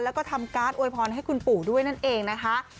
แล้วก็ทำการ์ดอวยพรให้คุณปู่ด้วยนั่นเองนะคะ